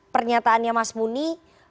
pernyataannya mas muni